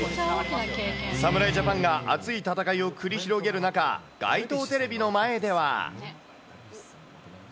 侍ジャパンが熱い戦いを繰り広げる中、街頭テレビの前では。